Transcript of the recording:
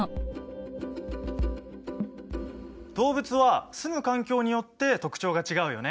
動物はすむ環境によって特徴が違うよね。